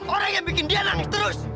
orang yang bikin dia nangis terus